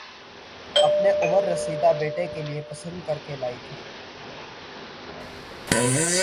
اپنے عمر رسیدہ بیٹے کےلیے پسند کرکے لائی تھیں